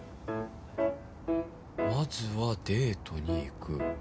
「まずはデートに行く」